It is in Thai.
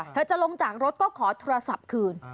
จะลงจากรถก็ขอโทรศัพท์คืน